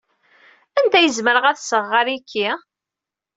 Anda ay zemreɣ ad sɣeɣ ariki?